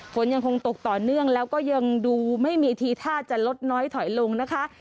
ฝนยังคงตกต่อเนื่องแล้วก็ยังดูไม่มีทีท่าจะลดน้อยถอยลงนะคะ